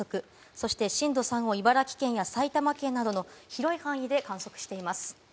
そして震度３を茨城県や埼玉県などの広い範囲で観測しています。